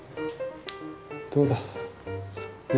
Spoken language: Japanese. どうだ？